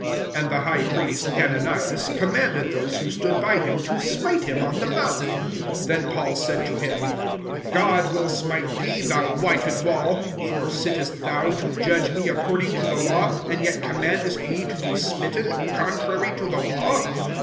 2 And the high priest Ananias commanded those who stood by him, to smite him on the mouth. 3 Then Paul said to him, *' God will smite thee, thou whited wall: for sittest thou to judge me ac cording to the law,^ and yst commandest me to be smitten contrary to the law?